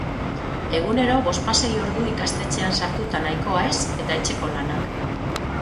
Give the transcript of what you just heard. Egunero bospasei ordu ikastetxean sartuta nahikoa ez eta etxeko lanak.